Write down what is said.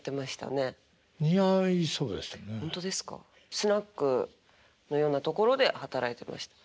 スナックのようなところで働いてました。